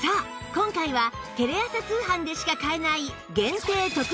今回はテレ朝通販でしか買えない限定特別セット